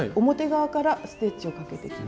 表からステッチをかける。